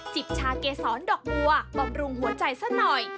จิบชาเกสรอนดอกบัวบำรุงหัวใจสักหน่อย